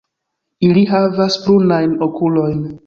Ili havas brunajn okulojn.